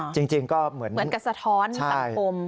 จริงก็เหมือนกับสะท้อนสังคม